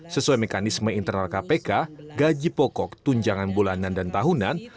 sesuai mekanisme internal kpk gaji pokok tunjangan bulanan dan tahunan